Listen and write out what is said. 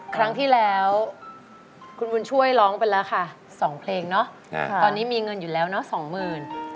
ครั้งที่แล้วคุณบุญช่วยร้องไปแล้วค่ะ๒เพลงเนาะตอนนี้มีเงินอยู่แล้วเนอะสองหมื่น